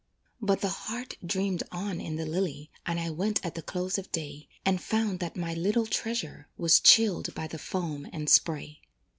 But the heart dreamed on in the lily And I went at the close of day, And found that my little treasure Was chilled by the foam and spray.